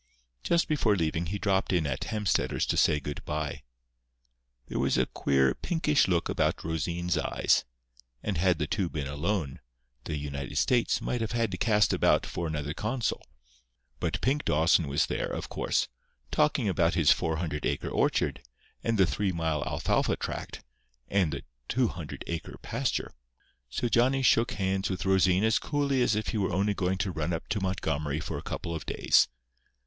Just before leaving he dropped in at Hemstetter's to say good bye. There was a queer, pinkish look about Rosine's eyes; and had the two been alone, the United States might have had to cast about for another consul. But Pink Dawson was there, of course, talking about his 400 acre orchard, and the three mile alfalfa tract, and the 200 acre pasture. So Johnny shook hands with Rosine as coolly as if he were only going to run up to Montgomery for a couple of days.